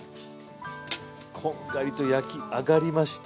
こんがりと焼き上がりました。